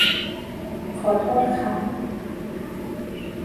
ขอโทษคะ